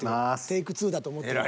［テイク２だと思ってる］